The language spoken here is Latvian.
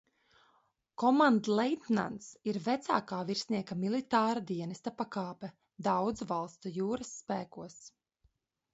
Komandleitnants ir vecākā virsnieka militāra dienesta pakāpe daudzu valstu jūras spēkos.